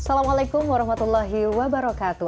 assalamualaikum warahmatullahi wabarakatuh